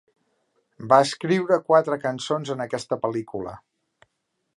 Va escriure quatre cançons en aquesta pel·lícula.